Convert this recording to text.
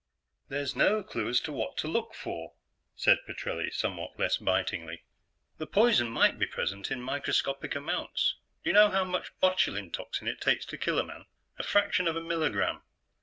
"There's no clue as to what to look for," said Petrelli, somewhat less bitingly. "The poison might be present in microscopic amounts. Do you know how much botulin toxin it takes to kill a man? A fraction of a milligram!"